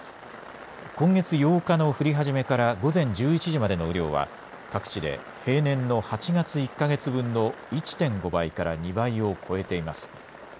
今月８日の降り始めから午前１１時までの雨量は各地で平年の８月１か月分の１．５倍から２倍を超えています。